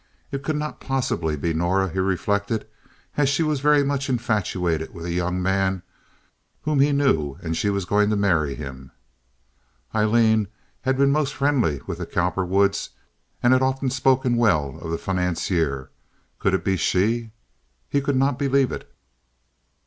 It could not possibly be Norah, he reflected; she was very much infatuated with a young man whom he knew, and was going to marry him. Aileen had been most friendly with the Cowperwoods, and had often spoken well of the financier. Could it be she? He could not believe it.